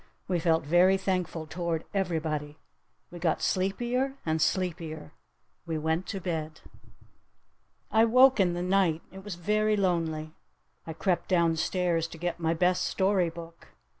We felt very thankful toward everybody! We got sleepier and sleepier! We went to bed! I woke in the night. It was very lonely. I crept down stairs to get my best story book.